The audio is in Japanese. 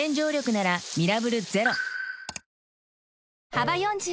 幅４０